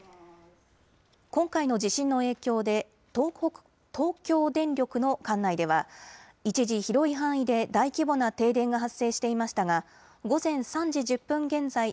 今回の地震の影響で東京電力の管内では一時広い範囲で大規模な停電が発生していましたが午前３時１０分現在